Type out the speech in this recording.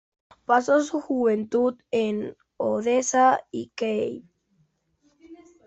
Pasó su juventud en Odessa y Kiev.